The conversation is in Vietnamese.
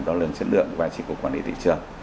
do lượng chất lượng và trị cục quản lý thị trường